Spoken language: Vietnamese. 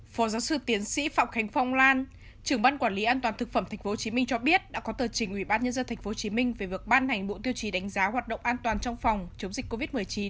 phó giáo sư tiến sĩ phạm khánh phong lan trưởng băn quản lý an toàn thực phẩm tp hcm cho biết đã có tờ trình ubnd tp hcm về vực ban hành bộ tiêu chí đánh giá hoạt động an toàn trong phòng chống dịch covid một mươi chín